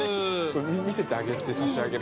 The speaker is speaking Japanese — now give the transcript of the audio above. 見せてあげてさしあげて。